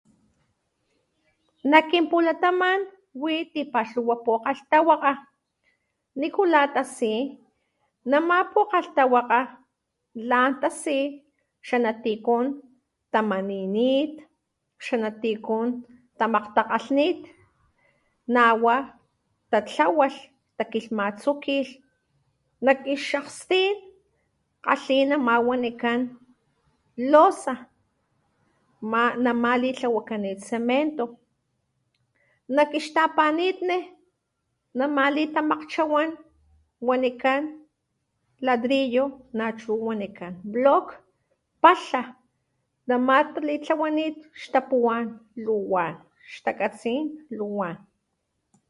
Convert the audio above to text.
Nak kinpulataman wi tipalhuwa pukgalhtawakga,¿nikula tasi nama pukgalhtawakga?,lan tasi, xa natikun tamaninit, xanatikun tamakgtakgalhnit, nawa tatlawalh, takilhmatsukilh, nak ix akgstin, kgalhi nama wanikan loza ma nama litlawakanit cemento nak ixtapanitni, nama litamakgchawan wanikan ladrillo nachu wanikan block, palha, nama talitlawanit xtapuwan luwan, xtakatsin luwan